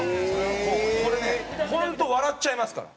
これね本当笑っちゃいますから。